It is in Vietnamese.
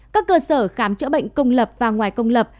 các cơ sở khám chữa bệnh công lập và ngoài công lập